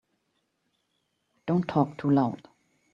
Don't talk too loud.